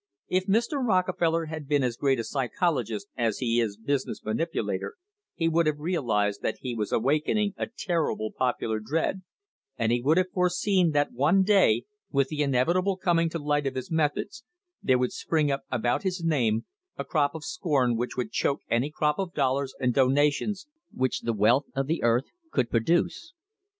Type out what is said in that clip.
If Mr. Rockefeller had been as great a psychologist as he is business manipu lator he would have realised that he was awakening a ter rible popular dread, and he would have foreseen that one day, with the inevitable coming to light of his methods, there would spring up about his name a crop of scorn which would choke any crop of dollars and donations which the wealth of the earth could produce.